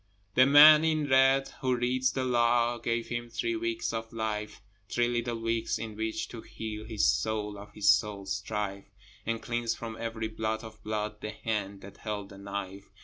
The man in red who reads the Law Gave him three weeks of life, Three little weeks in which to heal His soul of his soul's strife, And cleanse from every blot of blood The hand that held the knife.